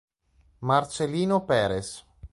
Marcelino Pérez